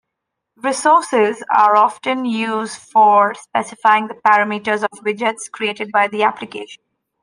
Resources are often used for specifying the parameters of widgets created by the application.